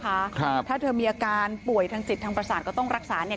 ครับถ้าเธอมีอาการป่วยทางจิตทางประสาทก็ต้องรักษาเนี่ย